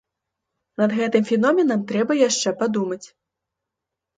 Над гэтым феноменам трэба яшчэ падумаць.